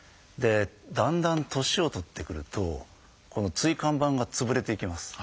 でだんだん年を取ってくるとこの椎間板が潰れていきます。